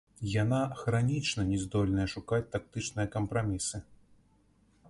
Яна хранічна не здольная шукаць тактычныя кампрамісы.